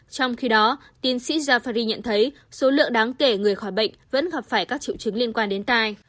trong khi đó tiến sĩ jaffari nhận thấy số lượng đáng kể người khỏi bệnh vẫn gặp phải các triệu chứng liên quan đến tai